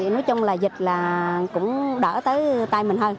nói chung là dịch là cũng đỡ tới tay mình hơn